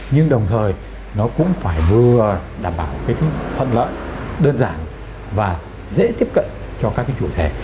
nhưng đồng thời nó cũng phải vừa đảm bảo cái thuận lợi đơn giản và dễ tiếp cận cho các cái chủ thể